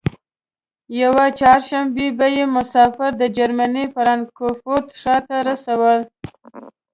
یوه چهارشنبه به یې مسافر د جرمني فرانکفورت ښار ته رسول.